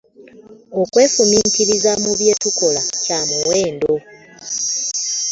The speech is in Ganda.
Okwefumiintiriza mu bye tukola kyamuwendo.